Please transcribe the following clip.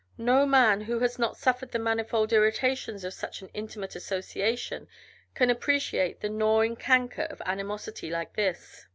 No man who has not suffered the manifold irritations of such an intimate association can appreciate the gnawing canker of animosity like this.